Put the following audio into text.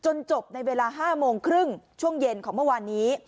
จบในเวลา๕โมงครึ่งช่วงเย็นของเมื่อวานนี้